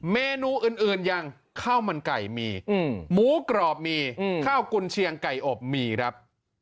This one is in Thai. เมนูอื่นอย่างข้าวมันไก่มีหมูกรอบมีข้าวกุญเชียงไก่อบมีครับ